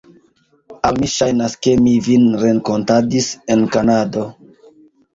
Al mi ŝajnas, ke mi vin renkontadis en Kanado.